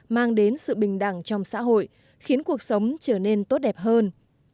mang đến sự bình đẳng trong xã hội khiến cuộc sống trở nên tốt đẹp hơn